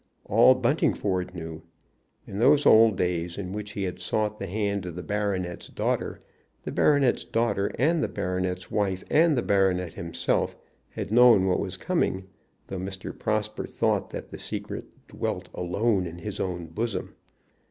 All Buntingford knew. In those old days in which he had sought the hand of the baronet's daughter, the baronet's daughter, and the baronet's wife, and the baronet himself, had known what was coming, though Mr. Prosper thought that the secret dwelt alone in his own bosom.